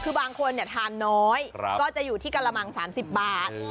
คือบางคนทานน้อยก็จะอยู่ที่กระมัง๓๐บาท